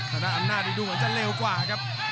สำหรับอำนาจดูเหมือนจะเร็วกว่าครับ